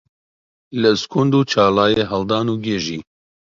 لە ئەسکوند و چاڵایە هەڵدان و گێژی